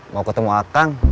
mau ketemu akang